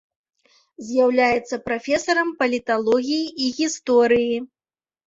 З'яўляецца прафесарам паліталогіі і гісторыі.